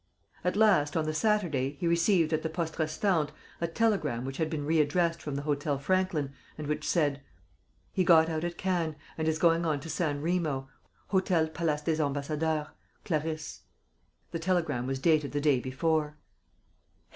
At last, on the Saturday, he received, at the poste restante, a telegram which had been readdressed from the Hôtel Franklin and which said: "He got out at Cannes and is going on to San Remo, Hôtel Palace des Ambassadeurs. "CLARISSE." The telegram was dated the day before.